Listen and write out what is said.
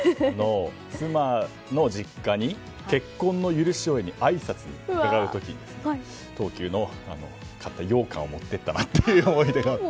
妻の実家に結婚の許しを得にあいさつに伺う時に東急で買ったようかんを持っていったなという思い出があって。